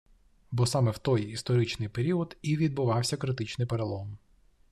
Бо саме в той історичний період і відбувався критичний перелом